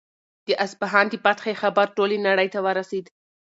د اصفهان د فتحې خبر ټولې نړۍ ته ورسېد.